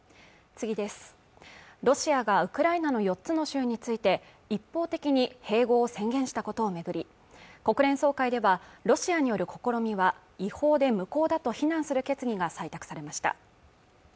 ロシアがウクライナの４つの州について一方的に併合を宣言したことを巡り国連総会ではロシアによる試みは違法で無効だと非難する決議が採択されました